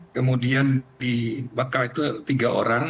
kemudian di bakau itu tiga orang